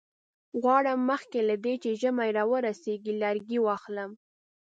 غواړم مخکې له دې چې ژمی را ورسیږي لرګي واخلم.